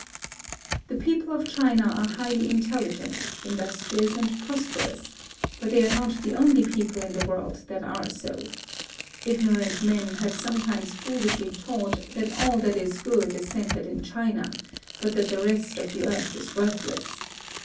The people of China are highly intelligent, industrious, and prosperous; but they are not the only people in the World that are so. Ignorant men have sometimes foolishly taught, that all that is good is centred in China, but that the rest of the earth is worthless.